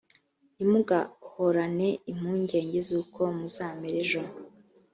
ntimugahorane impungege z’uko muzamera ejo